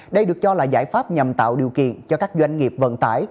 đây được cho là giải pháp nhằm tạo điều kiện cho các doanh nghiệp vận tải